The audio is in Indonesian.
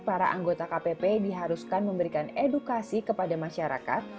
para anggota kpp diharuskan memberikan edukasi kepada masyarakat